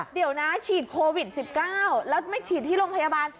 เดี๋ยวนะฉีดโควิด๑๙แล้วไม่ฉีดที่โรงพยาบาล